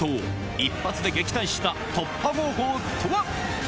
一発で撃退した突破方法とは？